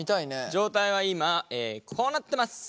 状態は今こうなってます。